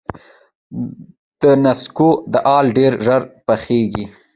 د نسکو دال ډیر ژر پخیږي.